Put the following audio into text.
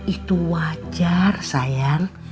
itu wajar sayang